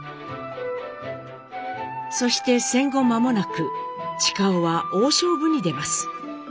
そして戦後間もなく親男は大勝負に出ます。